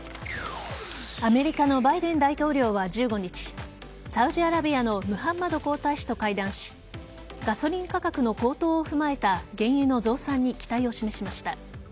アメリカのバイデン大統領は１５日サウジアラビアのムハンマド皇太子と会談しガソリン価格の高騰を踏まえた原油の増産に期待を示しました。